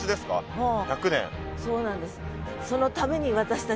そうなんです。